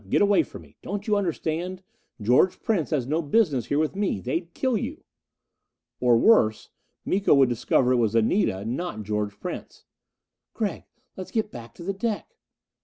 Get away from me! Don't you understand? George Prince has no business here with me! They'd kill you!" Or worse Miko would discover it was Anita, not George Prince. "Gregg, let's get back to the deck."